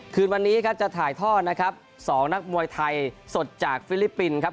คืนวันนี้ครับจะถ่ายทอดนะครับสองนักมวยไทยสดจากฟิลิปปินส์ครับ